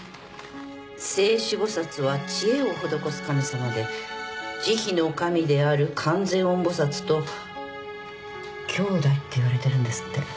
勢至菩薩は知恵を施す神様で慈悲の神である観世音菩薩ときょうだいっていわれてるんですって。